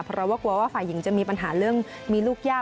เพราะว่ากลัวว่าฝ่ายหญิงจะมีปัญหาเรื่องมีลูกย่า